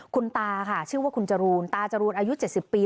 คุณตาค่ะชื่อว่าคุณจรูนตาจรูนอายุ๗๐ปี